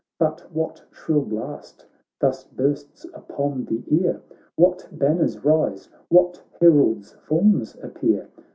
But what shrill blast thus bursts upon the ear? What banners rise, what heralds' forms appear